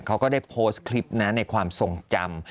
ก็ได้โพสต์คลิปนะในความทรงจำ